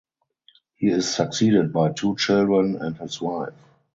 He is succeeded by two children and his wife.